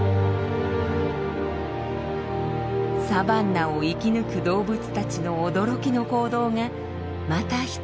サバンナを生き抜く動物たちの驚きの行動がまた１つ明らかになりました。